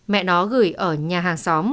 mẹ nó gửi ở nhà hàng xóm